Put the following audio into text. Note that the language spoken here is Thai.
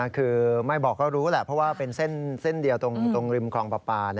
คือไม่บอกก็รู้แหละเพราะว่าเป็นเส้นเดียวตรงริมคลองปลาปลา